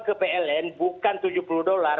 ke pln bukan tujuh puluh dolar